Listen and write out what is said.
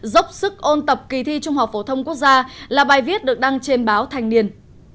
dốc sức ôn tập kỳ thi trung học phổ thông quốc gia là bài viết được đăng trên báo thành niên